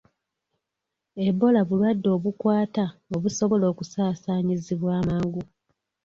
Ebola bulwadde obukwata obusobola okusaasaanyizibwa amangu.